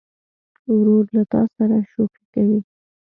ورور له تا سره شوخي کوي.